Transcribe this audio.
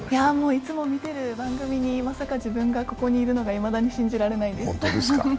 いつも見ている番組に、まさか自分がここにいるのがいまだに信じられないです。